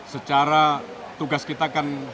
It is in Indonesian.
secara tugas kita kan